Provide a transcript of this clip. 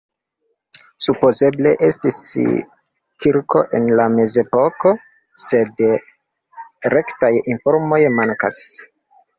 Supozeble estis kirko en la mezepoko, sed rektaj informoj mankas.